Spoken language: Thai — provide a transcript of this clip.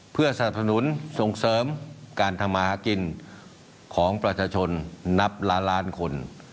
เพื่อสนับสนุนส่งเสริมการทำมาหากินของประชาชนนับล้านล้านคน